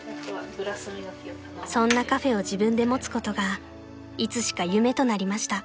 ［そんなカフェを自分で持つことがいつしか夢となりました］